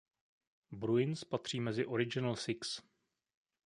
Bruins patří mezi Original Six.